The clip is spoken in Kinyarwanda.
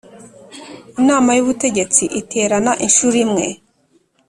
Inama y ubutegetsi iterana inshuro imwe